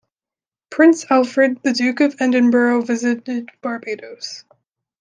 Prince Alfred, the Duke of Edinburgh visited Barbados.